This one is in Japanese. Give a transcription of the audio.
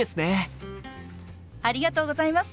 ありがとうございます！